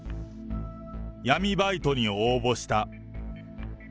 闇バイトに応募した。